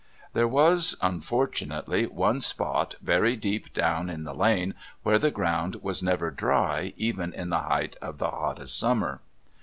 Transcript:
There was, unfortunately, one spot very deep down in the lane where the ground was never dry even in the height of the hottest summer.